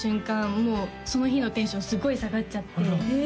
もうその日のテンションすごい下がっちゃってへえ！